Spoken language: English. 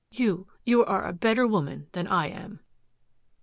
You you are a better woman than I am."